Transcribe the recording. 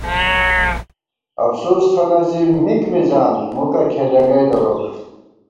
افُسوس تھنہ زِی مِک مِزان ، مُکہ کھېلېنگَئ دروک